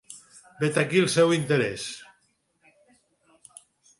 Vet aquí el seu interès.